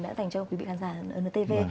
đã dành cho quý vị khán giả ntv